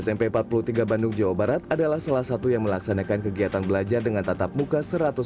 smp empat puluh tiga bandung jawa barat adalah salah satu yang melaksanakan kegiatan belajar dengan tatap muka